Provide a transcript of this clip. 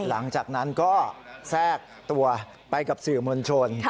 หลังจากนั้นก็แทรกตัวไปกับสื่อมวลชน